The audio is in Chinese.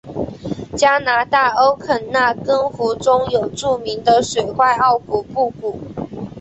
加拿大欧肯纳根湖中有著名的水怪奥古布古。